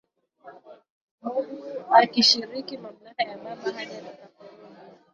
Mungu akishiriki mamlaka ya Baba hadi atakaporudi